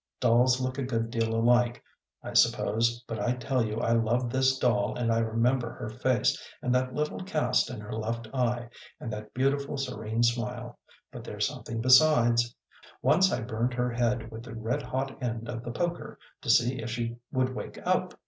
Dolls look a good deal alike, I suppose, but I tell you I loved this doll, and I remember her face, and that little cast in her left eye, and that beautiful, serene smile; but there's something besides. Once I burned her head with the red hot end of the poker to see if she would wake up.